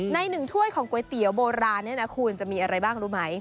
หนึ่งถ้วยของก๋วยเตี๋ยวโบราณเนี่ยนะคุณจะมีอะไรบ้างรู้ไหม